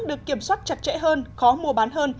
được kiểm soát chặt chẽ hơn khó mua bán hơn